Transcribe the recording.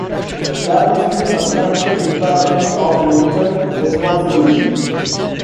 There must be a "substantial" impairment of mental responsibility.